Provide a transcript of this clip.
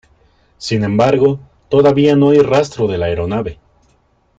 Sin embargo, todavía no hay rastro de la aeronave.